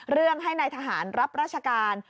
เรื่องให้นายทหารรับราชการ